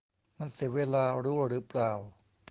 มันเสียเวลา รู้หรือเปล่า